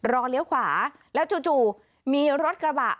เลี้ยวขวาแล้วจู่มีรถกระบะ